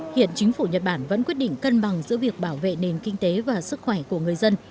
hiện chính phủ nhật bản vẫn quyết định cân bằng giữa việc bảo vệ nền kinh tế và sức khỏe của người dân